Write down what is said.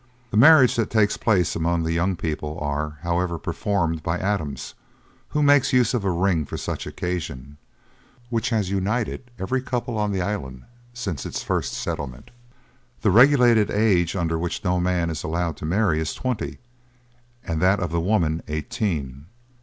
The marriages that take place among the young people are, however, performed by Adams, who makes use of a ring for such occasions, which has united every couple on the island since its first settlement; the regulated age under which no man is allowed to marry is twenty, and that of the woman eighteen.